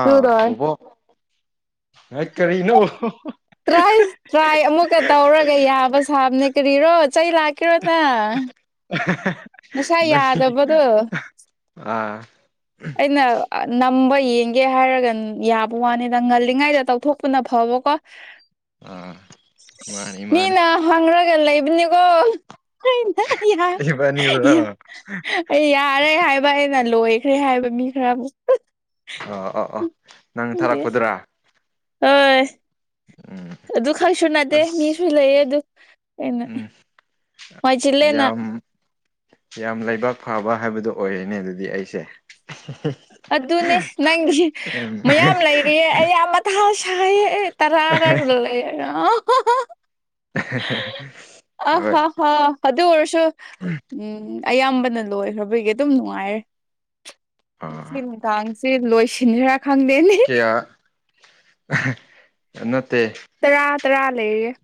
ꯑꯥ ꯁꯨꯔꯣꯏ ꯕꯣꯕꯣꯛ ꯍꯩꯠ ꯀꯔꯤꯅꯣ ꯇꯥꯔꯁ ꯇ꯭ꯔꯥꯏ ꯑꯃꯨꯛꯀ ꯇꯧꯔꯒ ꯌꯥꯕ ꯁꯥꯕꯅꯦ ꯀꯔꯤꯔꯣ ꯆꯩ ꯂꯥꯛꯀꯦꯔꯣ ꯅ ꯉꯁꯥꯏ ꯅꯪꯒꯤ ꯌꯥꯗꯕꯗꯨ ꯑꯥ ꯑꯩꯅ ꯑ ꯅꯞ ꯇꯨꯝꯕ ꯌꯦꯡꯒꯦ ꯍꯥꯏꯔꯒ ꯌꯥꯕ ꯋꯥꯅꯤꯗ ꯉꯜꯂꯤꯉꯩꯗ ꯇꯧꯊꯣꯛꯄꯅ ꯐꯕꯀꯣ ꯑꯥ ꯃꯥꯅꯤ ꯃꯥꯅꯤ ꯃꯤꯅ ꯍꯪꯔꯒ ꯂꯩꯕꯅꯤ [unintelligible] ꯏꯕꯥꯅꯤꯔꯣ ꯑꯣ ꯂꯣꯏꯈ꯭ꯔꯦ ꯍꯥꯏꯕ ꯃꯤ ꯈꯔꯃꯨꯛ ꯍꯥ ꯑ ꯑꯥ ꯑꯥ ꯅꯪ ꯊꯥꯔꯛꯄꯗꯨꯔꯥ ꯑꯣꯏꯁ ꯎꯝ ꯑꯗꯨ ꯈꯛꯁꯨ ꯅꯠꯇꯦ ꯑꯁ ꯃꯤꯁꯨ ꯂꯩꯌꯦ ꯑꯗꯨ ꯑꯩꯅ ꯎꯝ ꯋꯥꯏ ꯆꯤꯜꯂꯦꯅ ꯌꯥꯝ ꯌꯥꯝ ꯂꯩꯕꯥꯛ ꯐꯕ ꯍꯥꯏꯕꯗꯣ ꯑꯣꯏꯔꯦꯅꯦ ꯑꯗꯨꯗꯤ ꯑꯩꯁꯦ ꯑꯗꯨꯅꯦ ꯅꯪꯒꯤ ꯎꯝ ꯃꯌꯥꯝ ꯂꯩꯔꯤꯑꯦ ꯑꯩ ꯌꯥꯝ ꯃꯊꯥ ꯁꯥꯏ ꯑꯦ ꯇꯔꯥ [unintelligible] ꯑꯥ ꯍꯣꯏ ꯍ ꯍ ꯑꯗꯨ ꯑꯣꯏꯔꯁꯨ ꯎꯝ ꯑꯌꯥꯝꯕꯅ ꯂꯣꯏꯈ꯭ꯔꯕꯒꯤ ꯑꯗꯨꯝ ꯅꯨꯡꯉꯥꯏꯔꯦ ꯁꯤ ꯑꯥ ꯅꯨꯡꯗꯥꯡ ꯁꯤ ꯂꯣꯏꯁꯤꯟꯈ꯭ꯔ ꯈꯪꯗꯦꯅꯦ ꯍꯥ ꯑ ꯅꯠꯇꯦ ꯇꯔꯥ ꯇꯔꯥ ꯂꯩꯌꯦ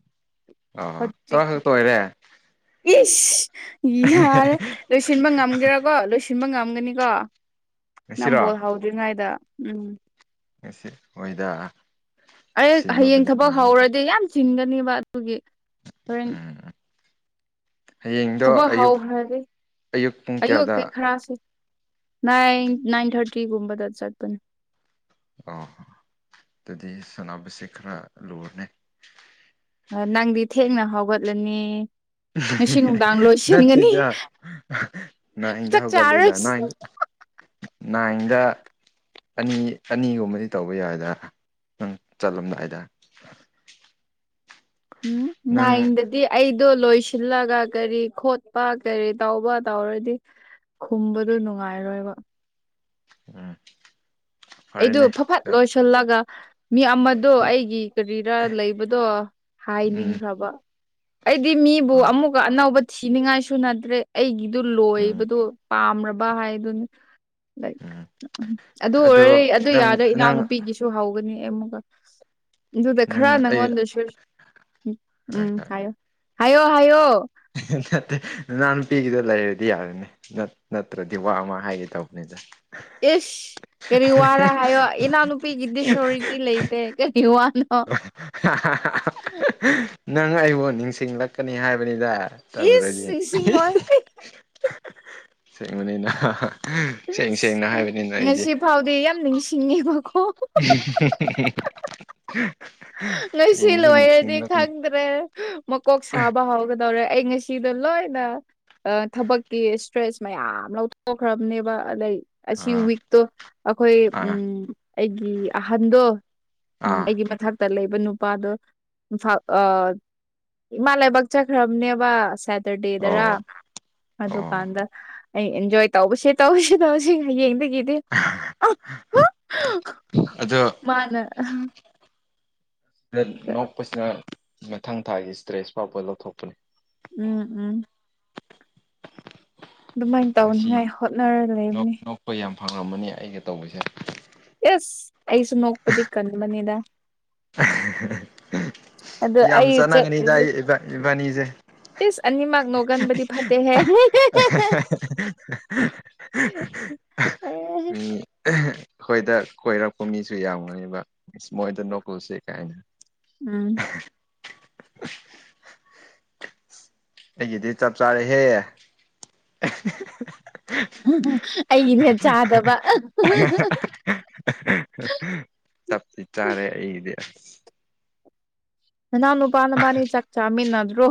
ꯑ ꯇꯔꯥ ꯈꯛꯇ ꯑꯣꯏꯔꯦ ꯏꯁ ꯌꯥꯔꯦ ꯂꯣꯏꯁꯤꯟꯕ ꯉꯝꯒꯦꯔꯀꯣ ꯂꯣꯏꯁꯤꯟꯕ ꯉꯝꯒꯅꯤꯀꯣ ꯅꯪ ꯉꯁꯤꯔꯣ ꯕꯣꯜ ꯍꯥꯎꯗ꯭ꯔꯤꯉꯩꯗ ꯎꯝ ꯉꯁꯤ ꯍꯣꯏꯗ ꯑꯩ ꯍꯌꯦꯡ ꯁꯤꯟꯕꯕꯨꯗꯤ ꯊꯕꯛ ꯉꯝꯅꯤꯗ ꯍꯧꯔꯗꯤ ꯌꯥꯝ ꯆꯤꯟꯒꯅꯤꯕ ꯑꯗꯨꯒꯤ ꯍꯣꯔꯦꯟ ꯎꯝ ꯍꯌꯦꯡꯗꯣ ꯊꯕꯛ ꯑꯌꯨꯛ ꯍꯧꯈ꯭ꯔꯗꯤ ꯑꯌꯨꯛ ꯄꯨꯡ ꯀꯌꯥꯗ ꯑꯌꯨꯛꯀꯤ ꯈꯔꯁꯨ ꯅꯥꯏꯟ ꯅꯥꯏꯟ ꯊꯥꯔꯇꯤꯒꯨꯝꯕꯗ ꯆꯠꯄꯅꯦ ꯑ ꯑꯗꯨꯗꯤ ꯁꯅꯥꯕꯁꯦ ꯈꯔ ꯂꯨꯔꯅꯦ ꯅꯪꯗꯤ ꯊꯦꯡꯅ ꯍꯧꯒꯠꯂꯅꯤ ꯉꯁꯤ ꯅꯨꯡꯗꯥꯡ ꯂꯣꯏꯁꯤꯟꯒꯅꯤ ꯅꯠꯇꯦꯗ ꯅꯥꯏꯟꯗ ꯆꯥꯛ ꯆꯥꯔꯣꯏ ꯍꯧꯒꯠꯂꯦꯗ ꯅꯥꯏꯟꯗ ꯑꯅꯤ ꯑꯅꯤꯒꯨꯝꯕꯗꯤ ꯇꯧꯕ ꯌꯥꯏꯗ ꯅꯪ ꯆꯠꯂꯝꯗꯥꯏꯗ ꯎꯝ ꯅꯪ ꯅꯥꯏꯟꯗꯗꯤ ꯑꯩ ꯑꯗꯨ ꯂꯣꯏꯁꯤꯜꯂꯒ ꯀꯔꯤ ꯈꯣꯠꯄ ꯀꯔꯤ ꯇꯧꯕ ꯇꯧꯔꯗꯤ ꯈꯨꯝꯕꯗꯨ ꯅꯨꯡꯉꯥꯏꯔꯣꯏꯕ ꯎꯝ ꯑꯩꯗꯣ ꯐꯔꯦꯅꯦ ꯐꯠ ꯐꯠ ꯂꯣꯏꯁꯤꯜꯂꯒ ꯃꯤ ꯑꯃꯗꯣ ꯑꯩꯒꯤ ꯀꯔꯤꯔ ꯂꯩꯕꯗꯣ ꯎꯝ ꯍꯥꯏꯅꯤꯡꯗ꯭ꯔꯕ ꯑꯩꯗꯤ ꯃꯤꯕꯨ ꯑꯥ ꯑꯃꯨꯛꯀ ꯑꯅꯧꯕ ꯊꯤꯅꯤꯡꯉꯥꯏꯁꯨ ꯅꯠꯇ꯭ꯔꯦ ꯑꯩꯒꯤꯗꯨ ꯎꯝ ꯂꯣꯏꯕꯗꯨ ꯄꯥꯝꯕ ꯍꯥꯏꯗꯨꯅꯤ ꯎꯝ ꯎꯝ ꯑꯗꯨ ꯑꯗꯣ ꯑꯣꯏꯔꯗꯤ ꯑꯗꯨ ꯅꯪ ꯌꯥꯗ꯭ꯔ ꯅꯪ ꯏꯅꯥꯎꯅꯨꯄꯤꯒꯤꯁꯨ ꯍꯧꯋꯦ ꯑꯃꯨꯛꯀ ꯑꯗꯨꯗ ꯅꯪ ꯈꯔ ꯑꯩ ꯅꯪꯉꯣꯟꯗꯁꯨ ꯍꯣꯏ ꯎꯝ ꯍꯣꯏ ꯍꯥꯏꯌꯣ ꯍꯥꯏꯌꯣ ꯍꯥꯏꯌꯣ ꯅꯠꯇꯦ ꯅꯨꯅꯥꯎ ꯅꯨꯄꯤꯒꯤꯗ ꯂꯩꯔꯗꯤ ꯌꯥꯔꯅꯤ ꯅꯠꯇ꯭ꯔꯗꯤ ꯋꯥ ꯑꯃ ꯍꯥꯏꯒꯦ ꯇꯧꯕꯅꯤꯗ ꯏꯁ ꯀꯔꯤ ꯋꯥꯔ ꯍꯥꯏꯌꯣ ꯏꯅꯥꯎꯅꯨꯄꯤꯒꯤꯗꯤ ꯁꯣꯔꯤꯇꯤ ꯂꯩꯇꯦ ꯀꯔꯤ ꯋꯥꯅꯣ ꯅꯪ ꯑꯩꯕꯨ ꯅꯤꯡꯁꯤꯡꯂꯛꯀꯅꯤ ꯍꯥꯏꯕꯅꯤꯗ ꯏꯁ ꯇꯧꯗ꯭ꯔꯗꯤ ꯅꯤꯡꯁꯤꯡꯉꯣꯏ ꯁꯦꯡꯕꯅꯤꯗ ꯁꯦꯡ ꯁꯦꯡꯅ ꯍꯥꯏꯕꯅꯤꯅ ꯑꯩꯗꯤ ꯉꯁꯤ ꯐꯥꯎꯗꯤ ꯌꯥꯝ ꯅꯤꯡꯁꯤꯡꯉꯦꯕꯀꯣ ꯎꯍꯦꯍꯦ ꯉꯁꯤ ꯂꯣꯏꯔꯗꯤ ꯅꯤꯡꯁꯤꯡꯂꯛꯀꯅꯤ ꯈꯪꯗ꯭ꯔꯦ ꯃꯀꯣꯛ ꯁꯥꯕ ꯍꯧꯒꯗꯧꯔꯦ ꯑꯩ ꯉꯁꯤ ꯁꯤꯗ ꯂꯣꯏꯅ ꯊꯕꯛꯀꯤ ꯁꯇ꯭ꯔꯦꯁ ꯃꯌꯥꯝ ꯂꯧꯊꯣꯛꯈ꯭ꯔꯕꯅꯦꯕ ꯑꯗꯩ ꯑꯁꯤ ꯑꯥ ꯋꯤꯛꯇꯣ ꯑꯩꯈꯣꯏ ꯑꯥ ꯎꯝ ꯑꯩꯒꯤ ꯑꯍꯟꯗꯣ ꯎꯝ ꯑꯥ ꯑꯩꯒꯤ ꯃꯊꯛ ꯂꯩꯕ ꯅꯨꯄꯥꯗꯣ ꯏꯃꯥ ꯂꯩꯥꯏꯕꯛ ꯆꯠꯈ꯭ꯔꯕꯅꯦꯕ ꯁꯠꯇ꯭ꯔꯗꯦꯗꯔ ꯑꯣ ꯑꯣ ꯑꯗꯨꯀꯥꯟꯗ ꯑꯩ ꯑꯦꯟꯖꯣꯏ ꯇꯧꯕꯁꯦ ꯇꯧꯁꯦ ꯇꯧꯔꯁꯦ ꯍꯌꯦꯡꯗꯒꯤ ꯏꯗꯦ ꯑꯗꯣ ꯃꯥꯅ ꯅꯣꯛꯄꯁꯤꯅ ꯃꯊꯪ ꯊꯥꯒꯤ ꯁꯇ꯭ꯔꯦꯁ ꯐꯥꯎꯕ ꯂꯧꯊꯣꯛꯄꯅꯤ ꯎꯝ ꯎꯝ ꯑꯗꯨꯃꯥꯏꯅ ꯇꯧꯅꯤꯉꯥꯏ ꯍꯣꯠꯅꯔ ꯂꯩꯕꯅꯤ ꯐꯪꯉꯝꯃꯅꯤ ꯑꯩꯒ ꯇꯧꯕꯁꯦ ꯏꯁ ꯑꯩꯁꯨ ꯅꯣꯛꯄꯗꯤ ꯀꯟꯕꯅꯤꯗ ꯑꯗꯨ ꯌꯥꯝ ꯑꯩ ꯆꯥꯟꯅꯒꯅꯤꯗ ꯆꯠꯂꯤꯗꯤ ꯑꯩ ꯏꯕꯥꯅꯤꯁꯦ [inaudible] ꯏꯁ ꯑꯅꯤꯃꯛ ꯅꯣꯛꯒꯟꯕꯗꯤ ꯐꯠꯇꯦꯍꯦ ꯎꯝ ꯑꯩꯈꯣꯏꯗ ꯀꯣꯏꯔꯛꯄ ꯃꯤꯁꯨ ꯌꯥꯝꯒꯅꯤꯕꯕ ꯑ ꯃꯣꯏꯗ ꯀꯥꯏꯅ ꯎꯝ ꯑꯩꯒꯤꯗꯤ ꯆꯞ ꯆꯥꯔꯦꯍꯦ ꯎꯝ ꯑꯩꯒꯤꯅꯦꯠ ꯆꯥꯗꯕ ꯆꯞ ꯇꯤ ꯆꯥꯔꯦ ꯑꯩꯗꯤ ꯑꯁ ꯅꯥꯅꯎ ꯅꯨꯄ ꯅꯕꯅꯤ ꯆꯥꯛ ꯆꯃꯤꯟꯅꯗ꯭ꯔꯣ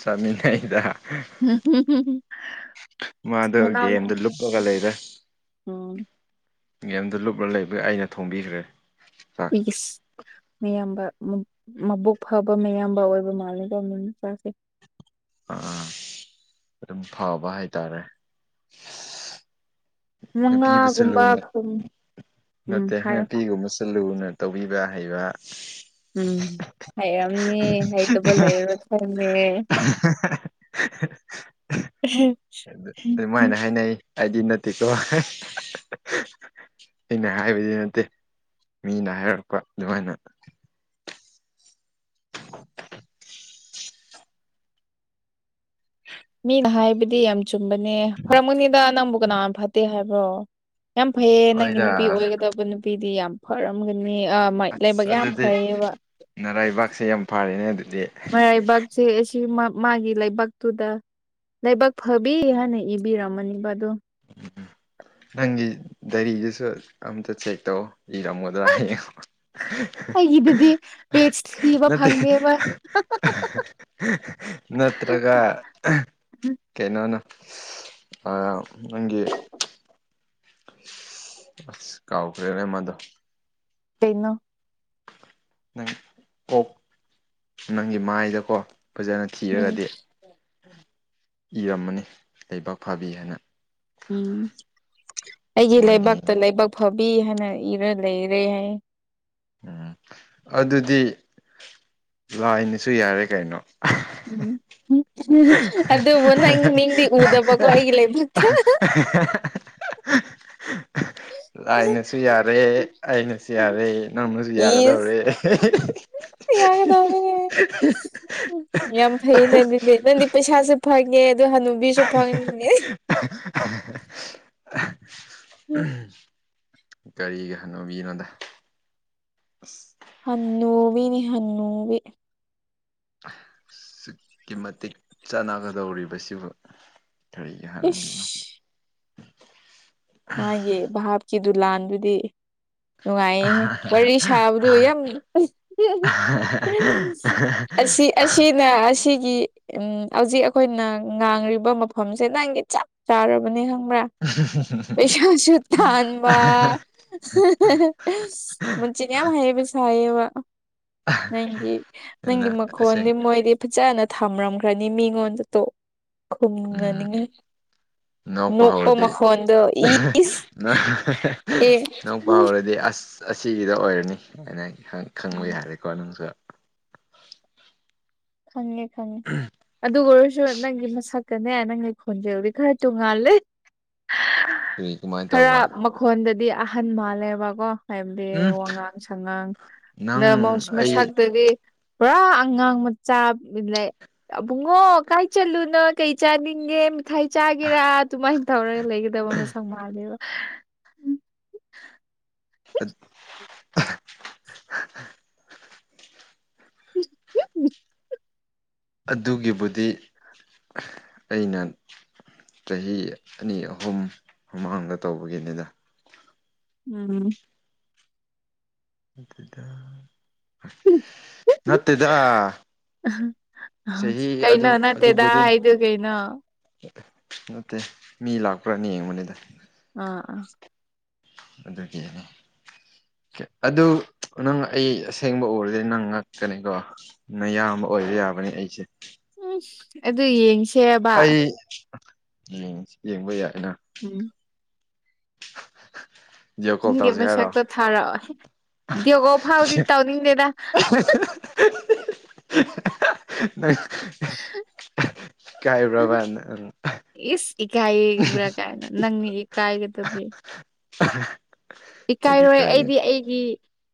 ꯆꯃꯤꯅꯅꯩꯗ ꯍꯝ ꯍꯝ ꯃꯥꯗꯣ ꯒꯦꯝꯗ ꯂꯨꯞꯄꯒ ꯂꯩꯔꯦ ꯎꯝ ꯒꯦꯝꯗ ꯂꯨꯞꯂꯒ ꯂꯩꯕ ꯑꯩꯅ ꯊꯣꯡꯕꯤꯈ꯭ꯔꯦ ꯆꯥꯛ ꯏꯁ ꯃꯌꯥꯝꯕ ꯃꯕꯨꯛ ꯐꯕ ꯃꯌꯥꯝꯕ ꯑꯣꯏꯕ ꯃꯥꯜꯂꯦ ꯃꯤ ꯃꯆꯥꯁꯦ ꯑꯥ ꯑꯗꯨꯝ ꯐꯕ ꯍꯥꯏꯇꯥꯔꯦ ꯅꯨꯄꯤꯕꯨꯁꯨ ꯃꯉꯥꯒꯨꯝꯕ ꯂꯨꯅ ꯈꯨꯝ ꯎꯝ ꯅꯠꯇꯦ ꯍꯥꯏꯌꯣ ꯅꯨꯄꯤꯒꯨꯝꯕꯁꯨ ꯂꯨꯅ ꯇꯧꯕꯤꯕ ꯍꯩꯕ ꯎꯝ ꯍꯥꯏꯌꯦ ꯎꯗꯨꯅꯦ ꯍꯩꯇꯄ ꯂꯩꯔꯣꯢ ꯈꯪꯉꯦ ꯑꯍꯥ ꯑꯗꯨ ꯑꯗꯨꯃꯥꯏꯅ ꯍꯥꯏꯅꯩ ꯑꯩꯗꯤ ꯅꯠꯇꯦꯀꯣ ꯑꯩꯅ ꯍꯥꯏꯕꯗꯤ ꯅꯠꯇꯦ ꯃꯤꯅ ꯍꯥꯏꯔꯛꯄ ꯑꯗꯨꯃꯥꯏꯅ [unintelligible] ꯃꯤꯅ ꯍꯥꯏꯕꯗꯤ ꯌꯥꯝ ꯆꯨꯝꯕꯅꯦ ꯐꯔꯝꯒꯅꯤꯗ ꯅꯪꯕꯨ ꯀꯅꯥꯅ ꯐꯠꯇꯦ ꯍꯥꯏꯕ꯭ꯔꯣ ꯌꯥꯝ ꯐꯩꯌꯦ ꯅꯪꯒꯤ ꯍꯣꯏꯗ ꯅꯨꯄꯤ ꯑꯣꯏꯒꯗꯕ ꯅꯨꯄꯤꯗꯤ ꯌꯥꯝ ꯐꯔꯝꯒꯅꯤ ꯃꯤ ꯑ ꯂꯥꯏꯕꯛ ꯑꯁ ꯌꯥꯝ ꯑꯗꯨꯗꯤ ꯐꯩꯌꯦꯕ ꯅꯔꯥꯏꯕꯥꯛꯁꯦ ꯌꯥꯝ ꯐꯔꯦꯅꯦ ꯑꯗꯨꯗꯤ ꯕꯥꯢꯕꯛ ꯁꯦ ꯑꯁꯤ ꯃꯛ ꯃꯥꯒꯤ ꯂꯥꯢꯕꯛꯇꯨꯗ ꯂꯥꯏꯕꯛ ꯐꯕꯤ ꯍꯥꯏꯅ ꯏꯕꯤꯔꯝꯃꯅꯤꯕ ꯑꯗꯨꯝ ꯎꯝ ꯅꯪꯒꯤ ꯗꯥꯏꯔꯤꯗꯨꯁꯨ ꯑꯝꯇ ꯆꯦꯛ ꯇꯧ ꯏꯔꯝꯒꯗ꯭ꯔꯥ ꯍꯌꯦꯡ ꯑꯩꯒꯤꯗꯨꯗꯤ ꯄꯦꯖ ꯊꯤꯕ ꯅꯠꯇꯦ ꯐꯪꯗꯦꯕ ꯅꯠꯇ꯭ꯔꯒ ꯀꯩꯅꯣꯅ ꯑ ꯅꯪꯒꯤ ꯑꯁ ꯀꯥꯎꯈ꯭ꯔꯦꯅꯦ ꯑꯃꯗꯣ ꯀꯩꯅꯣ ꯅꯪ ꯑꯣꯛ ꯅꯪꯒꯤ ꯃꯥꯏꯗꯀꯣ ꯐꯖꯅ ꯎꯝ ꯊꯤꯔꯒꯗꯤ [unintelligible] ꯏꯔꯝꯃꯅꯤ ꯂꯩꯕꯥꯛ ꯐꯕꯤ ꯍꯥꯏꯅ ꯎꯝ ꯑꯩꯒꯤ ꯃꯨꯟꯅ ꯂꯩꯕꯛꯇ ꯌꯦꯡꯉꯨ ꯂꯩꯕꯛ ꯐ ꯕꯤ ꯍꯥꯢꯅ ꯢꯔ ꯂꯩꯔꯦ ꯍꯥꯏꯌꯦ ꯎꯝ ꯑꯗꯨꯗꯤ ꯂꯥꯏꯅꯁꯨ ꯌꯥꯔꯦ ꯀꯩꯅꯣ ꯎꯝ ꯎꯝ ꯑꯗꯨꯕꯨ ꯅꯪꯒꯤ ꯃꯤꯡꯗꯤ ꯎꯗꯕꯀꯣ ꯑꯩꯒꯤ ꯂꯥꯢꯕꯛꯇ ꯂꯥꯏꯅꯁꯨ ꯌꯥꯔꯦ ꯑꯩꯅꯁꯨ ꯌꯥꯔꯦ ꯅꯪꯅꯁꯨ ꯏꯁ ꯌꯥꯒꯗꯧꯔꯦ ꯌꯥꯒꯗꯧꯔꯦ [unintelligible] ꯌꯥꯝ ꯐꯩꯌꯦꯅꯦ ꯗꯨꯗꯤ ꯅꯪꯗꯤ ꯄꯩꯁꯥꯁꯨ ꯐꯪꯉꯦ ꯑꯗꯨ ꯍꯅꯨ ꯕꯤꯁꯨ ꯐꯪꯉꯦ [unintelligible] ꯀꯔꯤꯒꯤ ꯍꯅꯨꯕꯤꯅꯣꯗ ꯑꯁ ꯍꯟꯅꯨꯕꯤꯅꯦ ꯍꯟꯅꯨꯕꯤ ꯑꯁꯨꯛꯀꯤ ꯃꯇꯤꯛ ꯆꯥꯟꯅꯒꯗꯧꯔꯤꯕꯁꯤꯕꯨ ꯀꯔꯤꯒꯤ ꯍꯅꯨꯕꯤꯅꯣ ꯏꯁ ꯃꯥꯒꯤ ꯚꯥꯞꯀꯤꯗꯨ ꯂꯥꯟꯗꯨꯗꯤ ꯅꯨꯡꯉꯥꯏꯍꯦ ꯋꯥꯔꯤ ꯁꯥꯕꯗꯨ ꯌꯥꯝ ꯑꯁꯤ ꯑꯁꯤꯅ ꯑꯁꯤꯒꯤ ꯎꯝ ꯍꯧꯖꯤꯛ ꯑꯩꯈꯣꯏꯅ ꯉꯥꯡꯂꯤꯕ ꯃꯐꯝꯁꯦ ꯅꯪꯒꯤ ꯆꯞ ꯆꯥꯔꯕꯅꯦ ꯍꯪ [unintelligible] ꯄꯩꯁꯥꯁꯨ ꯇꯥꯟꯕ ꯃꯆꯤꯟ ꯌꯝ ꯍꯩꯕ ꯁꯥꯏꯌꯦ ꯕ ꯅꯪꯒꯤ ꯅꯪꯒꯤ ꯃꯈꯣꯟꯗꯤ ꯑꯁꯦꯡ ꯃꯣꯏꯗꯤ ꯐꯖꯅ ꯊꯝꯔꯝꯈ꯭ꯔꯅꯤ ꯃꯤꯉꯣꯟꯗ ꯇꯣ ꯎꯝ ꯈꯨꯝꯅꯅꯤꯡꯉꯥꯢ ꯅꯣꯛꯄ ꯍꯧꯔꯗꯤ ꯃꯈꯣꯟꯗꯣ ꯏꯑꯦ ꯅꯣꯛꯄ ꯍꯧꯔꯗꯤ ꯑꯁ ꯑꯁꯤꯒꯤꯗ ꯑꯣꯏꯔꯅꯤ [unintelligible] ꯈꯪ ꯈꯪꯕ ꯌꯥꯔꯦꯀꯣ ꯅꯪꯁꯨ ꯈꯪꯉꯦ ꯈꯪꯉꯦ ꯑꯗꯨ ꯒꯣꯏꯔꯁꯨ ꯅꯪꯒꯤ ꯃꯁꯛ ꯒꯅꯦ ꯅꯪꯒꯤ ꯈꯣꯟꯖꯦꯜꯗꯤ ꯈꯔ ꯇꯣꯡꯉꯥꯜꯂꯦ ꯑꯗꯨꯒꯤ ꯀꯃꯥꯏꯅ ꯈꯔ ꯇꯧꯕ ꯃꯈꯣꯟꯗꯗꯤ ꯑꯍꯟ ꯃꯥꯜꯂꯦꯕꯀꯣ ꯍꯥꯏꯕꯗꯤ ꯎꯝ ꯋꯥꯉꯥꯡ ꯁꯉꯥꯡ ꯅ ꯅꯪ ꯃꯣꯁ ꯑꯩ ꯃꯁꯛꯇꯗꯤ ꯄꯨꯔꯥ ꯑꯉꯥꯡ ꯃ ꯆꯥ ꯂꯩ ꯑꯕꯨꯡꯉꯣ ꯀꯥꯏ ꯆꯜꯂꯨꯅꯣ ꯀꯩ ꯆꯥꯅꯤꯡꯒꯦ ꯃꯤ ꯊꯥꯏ ꯆꯥꯒꯦꯔꯥ ꯑꯗꯨꯃꯥꯏ ꯇꯧꯔꯒ ꯂꯩꯒꯗꯕ ꯃꯁꯛ ꯃꯥꯜꯂꯦꯕ ꯑ [unintelligible] ꯑꯗꯨꯒꯤꯕꯨꯗꯤ ꯑꯩꯅ ꯆꯍꯤ ꯑꯅꯤ ꯑꯍꯨꯝ ꯃꯃꯥꯡꯗ ꯇꯧꯕꯒꯤꯅꯤꯗꯥ ꯎꯝ ꯅꯠꯇꯦꯗꯥ ꯑꯍ ꯑꯍ ꯀꯩꯅꯣ ꯅꯠꯇꯦꯗꯥ ꯑꯗꯨꯕꯨꯗꯤ ꯍꯥꯏꯗꯨ ꯀꯩꯅꯣ ꯅꯠꯇꯦ ꯃꯤ ꯂꯥꯛꯄ꯭ꯔꯥꯅ ꯌꯦꯡꯕꯅꯤꯗꯥ ꯑꯥ ꯑꯥ ꯑꯗꯨꯒꯤꯅꯤ ꯑꯗꯨ ꯅꯪ ꯑꯩ ꯑꯁꯦꯡꯕ ꯎꯔꯗꯤ ꯅꯪ ꯉꯛꯀꯅꯤꯀꯣ ꯅꯌꯥꯝꯕ ꯑꯣꯏꯕ ꯌꯥꯕꯅꯤ ꯑꯩꯁꯦ ꯎꯝ ꯑꯗꯨ ꯌꯦꯡꯁꯤ ꯑꯩ ꯌꯦꯡ ꯌꯦꯡꯕ ꯌꯥꯏꯅ ꯎꯝ ꯚꯤꯗꯤꯑꯣ ꯀꯣꯜ ꯅꯪꯒꯤ ꯇꯧꯁꯦ ꯍꯥꯏꯔꯣ ꯃꯁꯛꯇꯣ ꯊꯥꯔꯛꯑꯣ ꯗꯦꯒꯣ ꯐꯥꯎꯗꯤ ꯇꯧꯅꯤꯡꯗꯦꯗꯥ ꯍ ꯍ ꯍ ꯅꯪ ꯍ ꯏꯀꯥꯏꯕ꯭ꯔꯕ ꯅꯪ ꯏꯀꯥꯏꯕ꯭ꯔ ꯀꯥꯏꯅ ꯅꯪꯅꯤ ꯏꯀꯥꯏꯒꯗꯕꯗꯤ ꯑꯍ ꯏꯀꯥꯏꯔꯣꯏ ꯑꯩꯗꯤ ꯑꯩꯒꯤ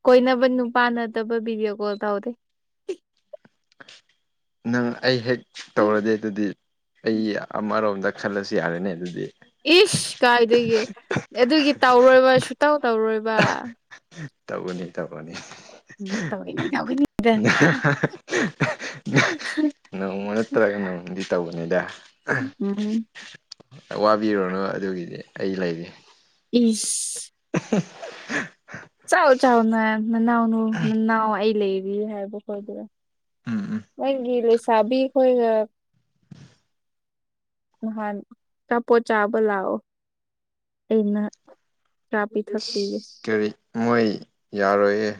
ꯀꯣꯏꯅꯕ ꯅꯨꯄꯥꯥ ꯅꯠꯇꯕ ꯚꯤꯗꯤꯑꯣ ꯀꯣꯜ ꯇꯧꯗꯦ ꯅꯪ ꯑꯩ ꯍꯦꯛ ꯇꯧꯔꯗꯤ ꯑꯗꯨꯗꯤ ꯑꯩ ꯑꯃꯔꯣꯝꯗ ꯈꯜꯂꯁꯨ ꯌꯥꯔꯦꯅꯦ ꯑꯗꯨꯗꯤ ꯏꯁ ꯀꯥꯏꯗꯒꯤ ꯑꯗꯨꯒꯤ ꯇꯧꯔꯣꯏꯕ ꯁꯨꯇꯧ ꯇꯧꯔꯣꯏꯕꯥ ꯇꯧꯒꯅꯤ ꯇꯧꯒꯅꯤ ꯇꯧꯒꯅꯤ ꯇꯧꯒꯅꯤ ꯅꯍ ꯍ ꯍ ꯍ ꯅꯪ ꯍ ꯅꯣꯡꯃ ꯅꯠꯇ꯭ꯔꯒ ꯅꯣꯡꯃꯗꯤ ꯇꯧꯒꯅꯤꯗꯥ ꯎꯝ ꯋꯥꯕꯤꯔꯨꯔꯅꯨ ꯑꯗꯨꯒꯤꯗꯤ ꯑꯩ ꯂꯩꯔꯤ ꯏꯁ ꯎꯝ ꯆꯥꯎ ꯆꯥꯎ ꯃꯌꯥꯝ ꯅꯥꯎꯅ ꯅꯅꯥꯎ ꯑꯩ ꯂꯩꯔꯤ ꯍꯥꯏꯕ ꯈꯣꯏꯗꯔ ꯎꯝ ꯎꯝ ꯅꯪꯒꯤ ꯂꯩꯁꯥꯕꯤ ꯈꯣꯏꯒ ꯉꯍꯥꯟ ꯑꯆꯥꯄꯣꯠ ꯆꯥꯕ ꯂꯥꯛꯑꯣ ꯑꯩꯅ ꯆꯥ ꯄꯤꯊꯛ ꯑꯁ ꯀꯔꯤ ꯃꯣꯏ ꯌꯥꯔꯣꯏꯍꯦ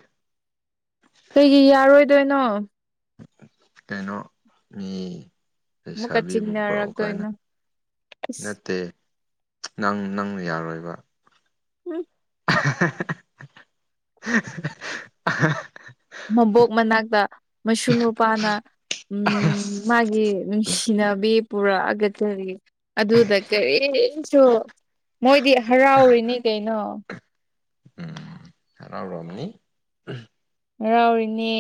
ꯀꯩꯒꯤ ꯌꯥꯔꯣꯏꯗꯣꯏꯅꯣ ꯀꯩꯅꯣ ꯃꯤ ꯑꯃꯨꯛꯀ ꯂꯩꯁꯥꯕꯤꯕꯨ ꯄꯨꯔꯛꯎ ꯀꯥꯏꯅ ꯆꯤꯡꯅꯔꯛꯇꯣꯏꯅꯣ ꯏꯁ ꯅꯠꯇꯦ ꯅꯪ ꯅꯪꯅ ꯌꯥꯔꯣꯏꯕ ꯎꯝ ꯍꯦ ꯍꯦ ꯍꯦ ꯍꯦ ꯑꯍꯦ ꯍꯦ ꯃꯕꯣꯛ ꯃꯅꯥꯛꯇ ꯃꯁꯨ ꯅꯨꯄꯥꯅ ꯎꯝ ꯃꯥꯒꯤ ꯅꯨꯡꯁꯤꯅꯕꯤ ꯄꯨꯔꯛꯑꯒ ꯀꯔꯤ ꯑꯗꯨꯗ ꯀꯔꯤ ꯁꯨ ꯃꯣꯏꯗꯤ ꯍꯔꯥꯎꯔꯤꯅꯤ ꯀꯩꯅꯣ ꯎꯝ ꯍꯔꯥꯎ ꯔꯝꯅꯤ ꯍꯔꯥꯎꯔꯤꯅꯦ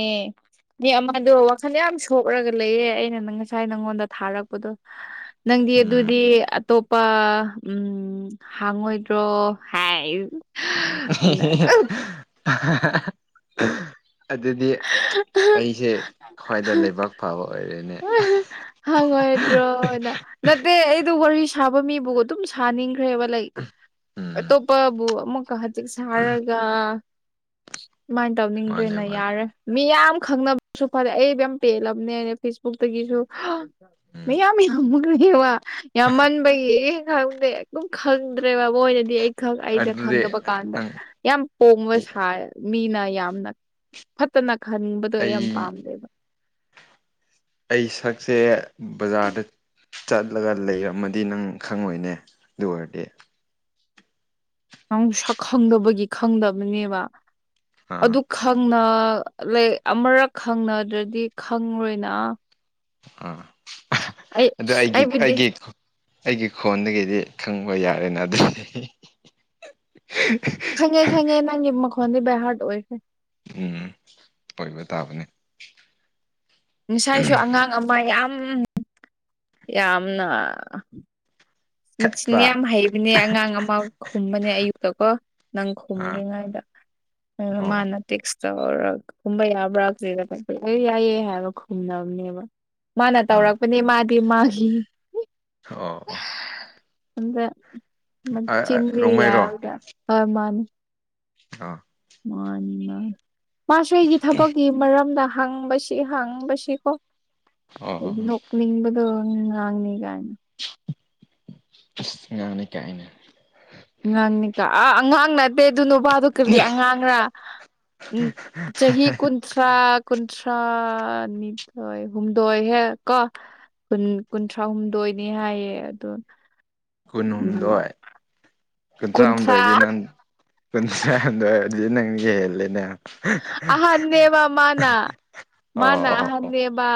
ꯒꯤ ꯑꯃꯗꯣ ꯋꯥꯈꯜꯗꯣ ꯌꯥꯝ ꯁꯣꯛꯂꯒ ꯂꯩꯌꯦ ꯑꯩꯅ ꯅꯪ ꯉꯁꯥꯏ ꯅꯪꯉꯣꯟꯗ ꯊꯥꯔꯛꯄꯗꯣ ꯅꯪ ꯗꯤ ꯎꯝ ꯑꯗꯨꯗꯤ ꯑꯇꯣꯞꯄ ꯎꯝ ꯍꯥꯡꯉꯣꯏꯗ꯭ꯔꯣ ꯍꯥꯏ [unintelligible] [unintelligible] ꯑꯗꯨꯗꯤ ꯑꯩꯁꯦ ꯈ꯭ꯋꯥꯏꯗ ꯂꯥꯏꯕꯛ ꯐꯕ ꯑꯣꯏꯔꯦꯅꯦ ꯍꯪꯉꯣꯏꯗ꯭ꯔꯣꯅ ꯅꯠꯇꯦ ꯑꯩꯗꯣ ꯋꯥꯔꯤ ꯁꯥꯕ ꯃꯤꯕꯨ ꯑꯗꯨꯝ ꯁꯥꯅꯤꯡꯈ꯭ꯔꯦꯕ ꯂꯩ ꯎꯝ ꯑꯇꯣꯞꯄꯕꯨ ꯑꯃꯨꯛꯀ ꯍꯖꯤꯛ ꯁꯥꯔꯒ ꯃꯥꯏ ꯃꯥꯅꯦ ꯇꯧꯅꯤꯡꯗ꯭ꯔꯦꯅ ꯃꯥꯅꯦ ꯌꯥꯔꯦ ꯃꯤꯌꯥꯝ ꯈꯪꯅꯕꯁꯨ ꯐꯔꯦ ꯑꯩ ꯌꯥꯝ ꯄꯦꯜꯂꯕꯅꯦ ꯐꯦꯁꯕꯨꯛꯇꯒꯤꯁꯨ ꯎꯝ ꯃꯤ ꯌꯥꯝ ꯌꯥꯝꯃꯛꯈꯦꯕ ꯌꯥꯝꯃꯟꯕꯒꯤ ꯈꯪꯗꯦ ꯒꯨꯝ ꯈꯪꯗ꯭ꯔꯦꯕ ꯃꯣꯏꯅꯗꯤ ꯑꯩ ꯈꯛ ꯑꯩꯗ ꯑꯗꯨꯗꯤ ꯈꯪꯗꯕ ꯀꯥꯟꯗ ꯅꯪ ꯌꯥꯝ ꯄꯣꯝꯕ ꯁꯥ ꯃꯤꯅ ꯌꯥꯝꯅ ꯐꯠꯇꯅ ꯈꯟꯕꯗꯣ ꯑꯩ ꯌꯥꯝ ꯄꯥꯝꯗꯦꯕ ꯑꯩ ꯁꯛꯁꯦ ꯕꯖꯥꯔꯗ ꯆꯠꯂꯒ ꯂꯩꯔꯝꯃꯗꯤ ꯅꯪ ꯈꯪꯉꯣꯏꯅꯦ ꯗꯨ ꯑꯣꯏꯔꯗꯤ ꯅꯪ ꯁꯛ ꯈꯪꯗꯕꯒꯤ ꯈꯪꯗꯕꯅꯦꯕ ꯑꯥ ꯅꯥ ꯂꯥꯏꯛ ꯑꯃꯔꯛ ꯈꯪꯅꯗ꯭ꯔꯗꯤ ꯈꯪꯔꯣꯏꯅ ꯑꯥ ꯑꯩ ꯑꯗꯨ ꯑꯩꯒꯤ ꯑꯩꯕꯨꯗꯤ ꯑꯩꯒꯤ ꯑꯩꯒꯤ ꯈꯣꯟꯗꯒꯤꯗꯤ ꯈꯪꯕ ꯌꯥꯔꯦꯅ ꯑꯗꯨꯗꯤ ꯈꯪꯉꯦ ꯈꯪꯉꯦ ꯅꯪꯒꯤ ꯃꯈꯣꯟꯗꯤ ꯕꯥꯢꯍꯥꯔꯠ ꯑꯣꯏꯈ꯭ꯔꯦ ꯎꯝ ꯑꯣꯏꯕ ꯇꯥꯕꯅꯦ ꯉꯁꯥꯏꯁꯨ ꯑꯉꯥꯡ ꯑꯃ ꯌꯥꯝ ꯌꯥꯝꯅ ꯃꯆꯤꯟ ꯈꯠꯄ ꯌꯥꯝ ꯍꯩꯕꯅꯦ ꯑꯉꯥꯡ ꯑꯃ ꯈꯨꯝꯕꯅꯦ ꯑꯌꯨꯛꯇꯀꯣ ꯅꯪ ꯑꯥ ꯈꯨꯝꯗ꯭ꯔꯤꯉꯩꯗ ꯑ ꯑꯣ ꯃꯥꯅ ꯇꯦꯛꯁ ꯆꯥꯎꯔ ꯈꯨꯝꯕ ꯌꯥꯕ꯭ꯔꯥ [unintelligible] ꯑꯩ ꯌꯥꯏꯌꯦ ꯍꯥꯏꯕ ꯈꯨꯝꯗꯕꯅꯦꯕ ꯃꯥꯅ ꯑꯥ ꯇꯧꯔꯛꯄꯅꯦ ꯃꯥꯗꯤ ꯃꯥꯒꯤ ꯑꯣ ꯑꯣ ꯑꯗ ꯃꯆꯤꯟꯗꯤ ꯔꯣꯡꯃꯩꯔꯣ ꯌꯥꯕ꯭ꯔ ꯑ ꯃꯥꯟꯅꯦ ꯑꯥ ꯃꯥꯅꯤ ꯃꯥ ꯃꯥꯁꯨ ꯑꯩꯒꯤ ꯊꯕꯛꯀꯤ ꯃꯔꯝꯗ ꯍꯪꯕꯁꯤ ꯍꯪꯕꯁꯤꯀꯣ ꯑꯣ ꯑꯣ ꯑꯗꯨ ꯅꯣꯛꯅꯤꯡꯕꯗꯣ ꯉꯥꯡꯅꯤ ꯀꯥꯏꯅ ꯑꯉꯥꯡꯅꯤ ꯀꯥꯏꯅ ꯉꯥꯡꯅꯤꯀꯥ ꯑꯥ ꯑꯉꯥꯡ ꯅꯠꯇꯦ ꯑꯗꯨ ꯅꯨꯄꯥꯗꯨ ꯀꯔꯤ ꯑꯉꯥꯡꯔꯥ ꯎꯝ ꯆꯍꯤ ꯆꯍꯤ ꯀꯨꯟꯊ꯭ꯔꯥ ꯀꯨꯟꯊ꯭ꯔꯥ ꯊ꯭ꯔꯥ ꯅꯤꯊꯣꯏ ꯍꯨꯝꯗꯣꯏ ꯍꯦꯛ ꯀꯣ ꯀꯨꯟ ꯀꯨꯟꯊ꯭ꯔꯥꯍꯨꯝꯗꯣꯏꯅꯤ ꯍꯥꯏꯌꯦ ꯑꯗꯣ ꯎꯝ ꯀꯨꯟꯍꯨꯝꯗꯣꯏ ꯀꯨꯟꯊ꯭ꯔꯥ ꯀꯨꯟꯊ꯭ꯔꯥꯍꯨꯝꯗꯣꯏꯗꯤ ꯅꯪ ꯀꯨꯟꯊ꯭ꯔꯥꯍꯨꯝꯗꯣꯏꯗꯤ ꯅꯪ ꯍꯦꯜꯂꯦꯅꯦ ꯑꯍꯟꯅꯦꯕ ꯃꯥꯅ ꯑꯣ ꯃꯥꯅ ꯑꯣ ꯑꯍꯟꯅꯦꯕ